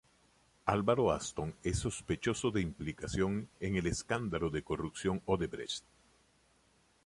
Alvaro Ashton es sospechoso de implicación en el escándalo de corrupción Odebrecht.